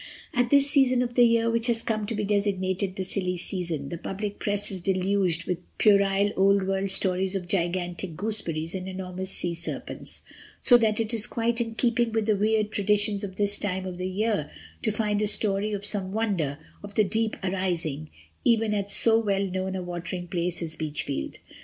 "'At this season of the year, which has come to be designated the silly season, the public press is deluged with puerile old world stories of gigantic gooseberries and enormous sea serpents. So that it is quite in keeping with the weird traditions of this time of the year to find a story of some wonder of the deep, arising even at so well known a watering place as Beachfield.